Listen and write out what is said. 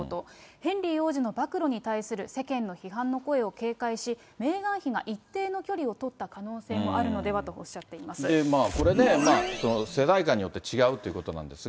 ヘンリー王子の暴露に対する世間の批判の声を警戒し、メーガン妃が一定の距離を取った可能性もあるのではとおっしゃっこれね、世代間によって違うということなんですが。